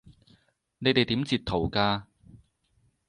你哋點截圖㗎？